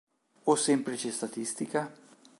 O semplice statistica?